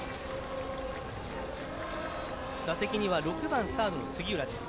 打席には６番、サードの杉浦です。